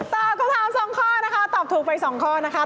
ตอบคำถาม๒ข้อนะคะตอบถูกไป๒ข้อนะคะ